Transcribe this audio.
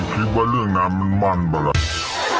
นั้นคิดว่าเรื่องน้ำมันมันบ้างล่ะ